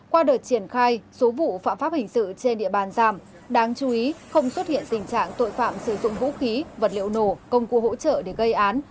qua đợt triển khai số vụ phạm pháp hình sự trên địa bàn giảm đáng chú ý không xuất hiện tình trạng tội phạm sử dụng vũ khí vật liệu nổ công cụ hỗ trợ để gây án